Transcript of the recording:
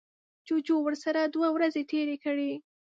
جوجو ورسره دوه ورځې تیرې کړې.